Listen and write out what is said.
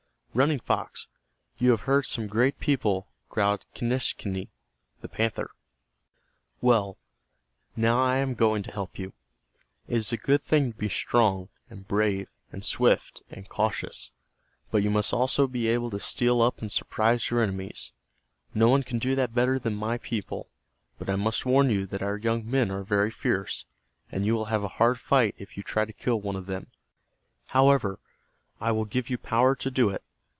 "Running Fox, you have heard some great people," growled Quenischquney, the panther. "Well, now I am going to help you. It is a good thing to be strong, and brave, and swift, and cautious, but you must also be able to steal up and surprise your enemies. No one can do that better than my people. But I must warn you that our young men are very fierce, and you will have a hard fight if you try to kill one of them. However, I will give you power to do it.